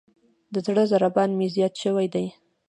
د زړه ضربان مې زیات شوئ دی.